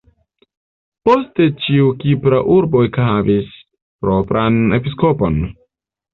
Poste ĉiu kipra urbo ekhavis propran episkopon.